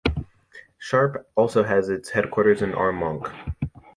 Sharpe also has its headquarters in Armonk.